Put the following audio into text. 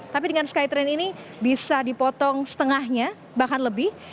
tapi dengan skytrain ini bisa dipotong setengahnya bahkan lebih